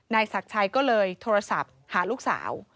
ศักดิ์ชัยก็เลยโทรศัพท์หาลูกสาว